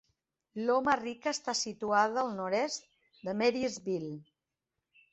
Loma Rica està situada al nord-est de Marysville.